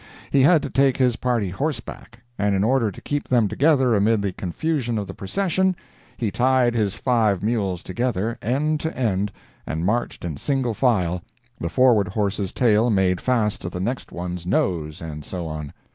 He had to take his party horseback, and in order to keep them together amid the confusion of the procession, he tied his five mules together, end to end, and marched in single file—the forward horse's tail made fast to the next one's nose, and so on.